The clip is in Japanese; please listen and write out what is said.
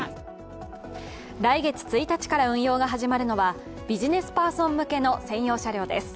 来月１日から運用が始まるのはビジネスパーソン向けの専用車両です。